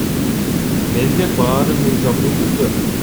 Менде баары мыйзамдуу түрдө.